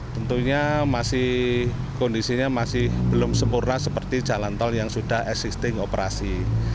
tentunya kondisinya masih belum sempurna seperti jalan tol yang sudah existing operasi